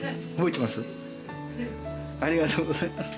ありがとうございます。